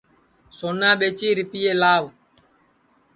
سونا ٻیچی رِپئے لاو